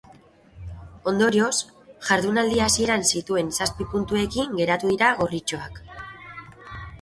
Ondorioz, jardunaldi hasieran zituen zazpi puntuekin geratu dira gorritxoak.